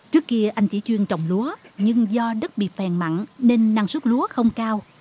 trước kia anh chỉ chuyên trồng lúa nhưng do đất bị phèn mặn nên năng suất lúa không cao